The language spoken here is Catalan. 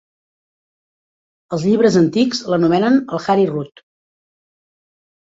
Els llibres antics l'anomenen el Hari Rud.